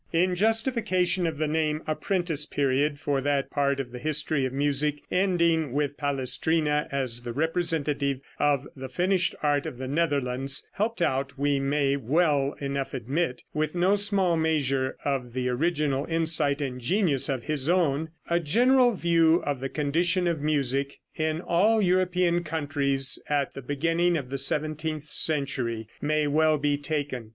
In justification of the name "apprentice period" for that part of the history of music ending with Palestrina as the representative of the finished art of the Netherlands (helped out, we may well enough admit, with no small measure of the original insight and genius of his own), a general view of the condition of music in all European countries at the beginning of the seventeenth century may well be taken.